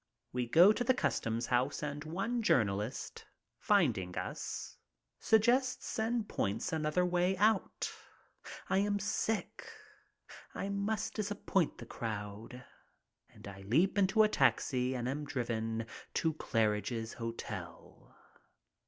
We go to the customs house and one journalist, finding us, suggests and points another way out. I am sick. I must disappoint the crowd, and I leap into a taxi and am driven to Claridge's Hotel.